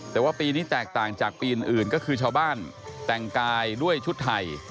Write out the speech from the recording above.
แต่ว่าปีนี้แตกต่างจากปีอื่นก็คือชาวบ้านแต่งกายด้วยชุดไทย